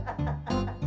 lo udah nulis belum